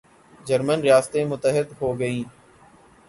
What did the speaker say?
German ریاستیں متحد ہوگئیں